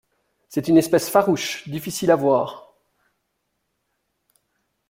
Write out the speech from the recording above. C’est une espèce farouche, difficile à voir.